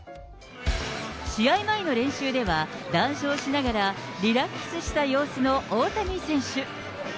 試合前の練習では、談笑しながらリラックスした様子の大谷選手。